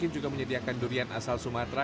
juga menyediakan durian asal sumatera